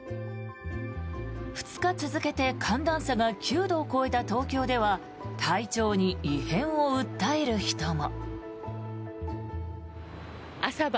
２日続けて寒暖差が９度を超えた東京では体調に異変を訴える人も。